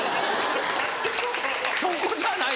そこじゃない！